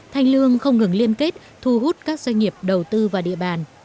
thanh lương không ngừng liên kết thu hút các doanh nghiệp đầu tư vào địa bàn